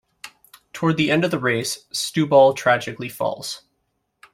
Toward the end of the race, Stewball tragically falls.